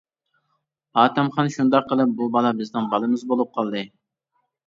پاتەمخان-شۇنداق قىلىپ بۇ بالا بىزنىڭ بالىمىز بولۇپ قالدى.